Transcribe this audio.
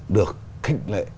được khích lệ